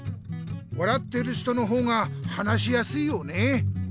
笑っている人の方が話しやすいよね。